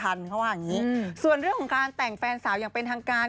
เขาว่าอย่างนี้ส่วนเรื่องของการแต่งแฟนสาวอย่างเป็นทางการ